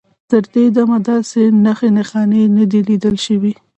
تر دې دمه داسې نښې نښانې نه دي لیدل شوي.